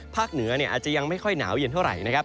เหนืออาจจะยังไม่ค่อยหนาวเย็นเท่าไหร่นะครับ